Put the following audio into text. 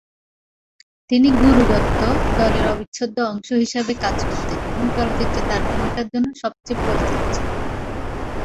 তিনি গুরু দত্ত দলের অবিচ্ছেদ্য অংশ হিসেবে কাজ করতেন এবং চলচ্চিত্রে তার ভূমিকার জন্য সবচেয়ে পরিচিত ছিলেন।